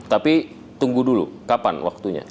tapi tunggu dulu kapan waktunya